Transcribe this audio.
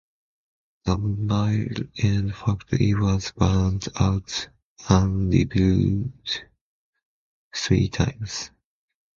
The Mile End factory was burnt out and rebuilt three times.